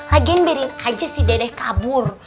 lagian biarin aja si dedek kabur